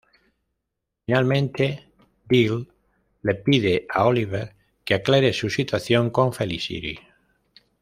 Finalmente, Diggle le pide a Oliver que aclare su situación con Felicity.